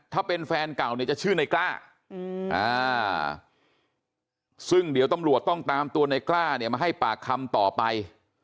ถ้าเป็นแฟนเก่าเนี่ยจะชื่อในกล้าซึ่งเดี๋ยวตำรวจต้องตามตัวในกล้าเนี่ยมาให้ปากคำต่อไป